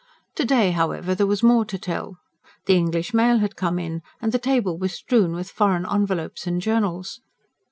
To day, however, there was more to tell. The English mail had come in, and the table was strewn with foreign envelopes and journals.